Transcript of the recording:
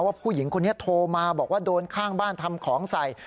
ผู้หญิงคนนี้โทรมาบอกว่าโดนข้างบ้านทำของใส่